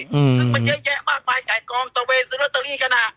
ซึ่งมันเยอะแยะมากมายไก่กองตะเวนซื้อลอตเตอรี่กันอ่ะ